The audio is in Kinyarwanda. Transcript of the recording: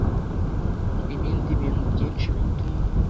ibindi bintu byinshi bituma